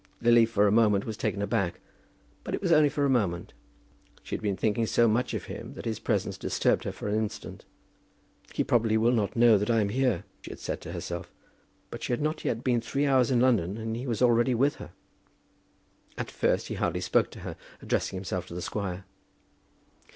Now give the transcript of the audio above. Lily for a moment was taken aback, but it was only for a moment. She had been thinking so much of him that his presence disturbed her for an instant. "He probably will not know that I am here," she had said to herself; but she had not yet been three hours in London, and he was already with her! At first he hardly spoke to her, addressing himself to the squire.